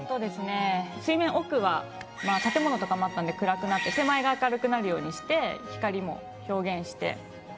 水面奥は建物とかもあったんで暗くなって手前が明るくなるようにして。